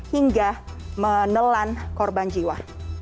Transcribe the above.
hingga menelan korban jiwa